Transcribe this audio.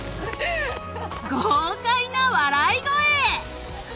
［豪快な笑い声］